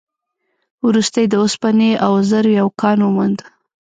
وروسته يې د اوسپنې او زرو يو کان وموند.